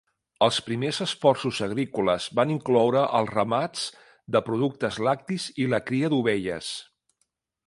Els primers esforços agrícoles van incloure els ramats de productes lactis i la cria d'ovelles.